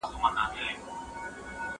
زه اوس لیکل کوم؟